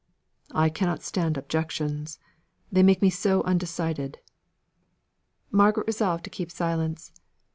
"I cannot stand objections. They make me so undecided." Margaret resolved to keep silence.